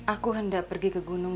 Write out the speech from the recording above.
aku hendak pergi ke gunung